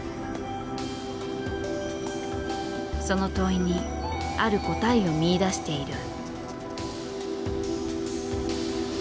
その問いにある答えを見いだしている。